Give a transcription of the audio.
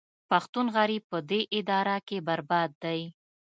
پښتون غریب په دې اداره کې برباد دی